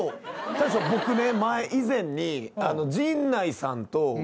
大将僕ね。